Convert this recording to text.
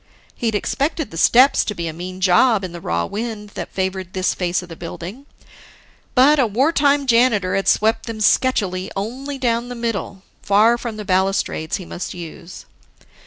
He'd expected the steps to be a mean job in the raw wind that favored this face of the building; but a wartime janitor had swept them sketchily only down the middle, far from the balustrades he must use.